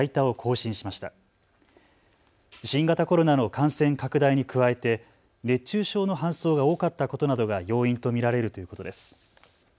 新型コロナの感染拡大に加えて熱中症の搬送が多かったことなどが要因と見られるということです。